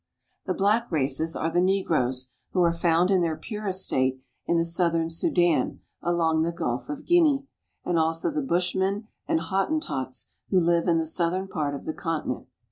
The black races are the negroes, who are found in their purest state in the southern Sudan along the Gulf of Guinea (gin'e), and also the who live in the southern part of the continent.